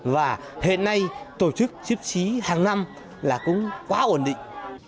và hiện nay tổ chức chiếc xí hàng năm là cũng quá ổn định